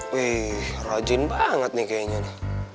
wih rajin banget nih kayaknya nih